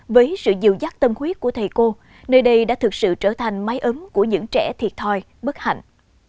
với sự dịu dắt tâm huyết của thầy cô nơi đây đã thực sự trở thành máy ấm của những trẻ thiệt thòi bất hạnh